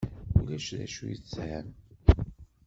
Ulac d acu i tesham?